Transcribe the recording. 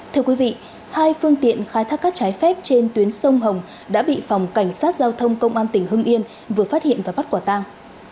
thưa quý vị hai phương tiện khai thác cát trái phép trên tuyến sông hồng đã bị phòng cảnh sát giao thông công an tỉnh hưng yên vừa phát hiện và bắt quả tang